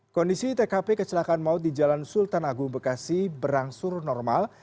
kondisi tkp kecelakaan maut di jalan sultan agung bekasi berangsur normal